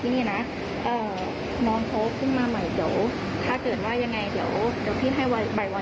นี่แหละค่ะ